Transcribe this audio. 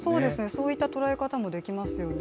そういった捉え方もできますよね。